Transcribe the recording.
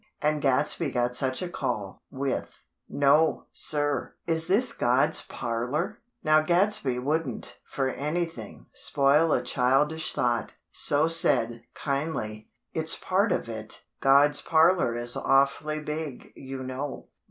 And Gadsby got such a call, with: "No, sir. Is this God's parlor?" Now Gadsby wouldn't, for anything, spoil a childish thought; so said, kindly: "It's part of it. God's parlor is awfully big, you know."